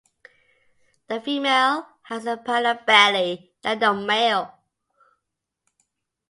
The female has a paler belly than the male.